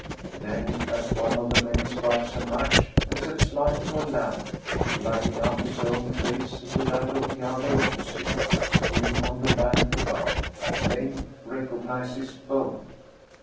Then, as one of the men strikes a match and sets light to a lamp, lighting up his own face with that of the other opposite, he on the bank above at length recognises both.